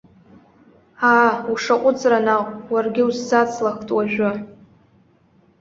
Аа, ушаҟәыҵра наҟ, уаргьы усзацлахт уажәы.